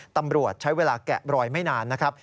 ตำรวจใช้เวลาแกะรอยไม่นานนะครับ